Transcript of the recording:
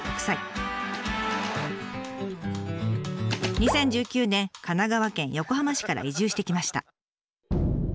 ２０１９年神奈川県横浜市から移住してきました。